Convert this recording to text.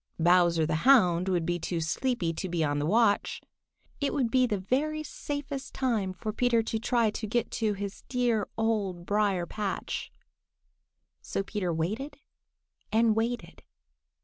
Bowser the Hound would be too sleepy to be on the watch. It would be the very safest time for Peter to try to get to his home in the dear Old Briar patch. So Peter waited and waited.